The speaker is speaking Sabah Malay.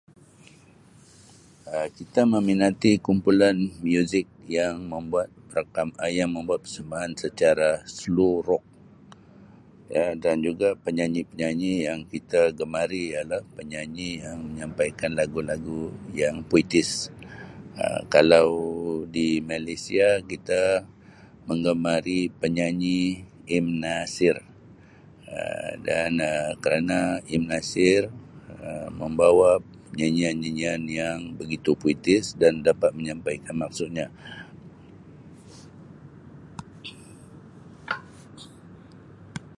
"Um Kita meminati kumpulan muzik yang membuat raka- Um yang membuat persembahan secara ""slow rock"" Um dan juga penyanyi-penyanyi yang kita gemari ialah penyanyi yang menyampai lagu-lagu yang puitis Um kalau di Malaysia kita menggemari penyanyi M. Nasir Um dan kerana M. Nasir Um membawa nyanyi-nyanyian yang begitu puitis dan dapat menyampaikan maksudnya"